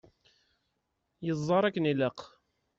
Yeẓẓar akken ilaq.